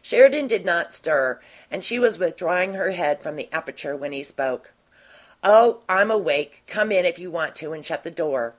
Sheridan did not stir, and she was withdrawing her head from the aperture when he spoke. "Oh, I'm AWAKE! Come in, if you want to, and shut the door."